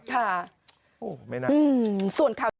ค่ะไม่นาน